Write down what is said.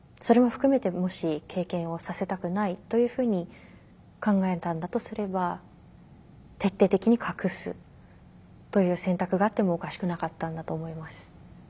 それも含めてもし経験をさせたくないというふうに考えたんだとすれば徹底的に隠すという選択があってもおかしくなかったんだと思います。